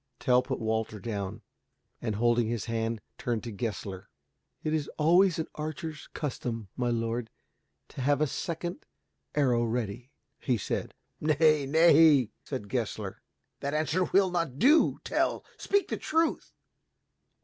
Tell put Walter down and, holding his hand, turned to Gessler, "It is always an archer's custom, my lord, to have a second arrow ready," he said. "Nay, nay," said Gessler, "that answer will not do, Tell. Speak the truth."